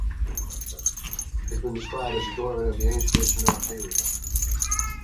He has been described as the doyen of the ancient astronaut theory.